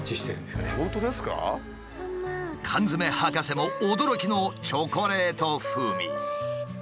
缶詰博士も驚きのチョコレート風味。